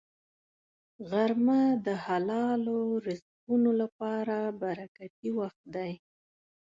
غرمه د حلالو رزقونو لپاره برکتي وخت دی